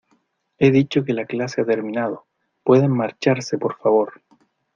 he dicho que la clase ha terminado. pueden marcharse, por favor .